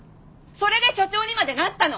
それで所長にまでなったの！